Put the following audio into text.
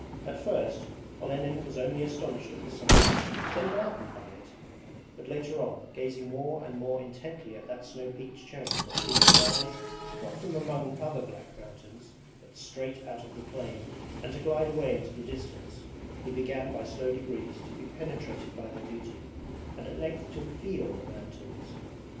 At first Olenin was only astonished at the sight, then gladdened by it; but later on, gazing more and more intently at that snow peaked chain that seemed to rise not from among other black mountains, but straight out of the plain, and to glide away into the distance, he began by slow degrees to be penetrated by their beauty and at length to FEEL the mountains.